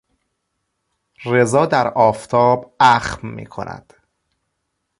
رضا در آفتاب اخم میکند.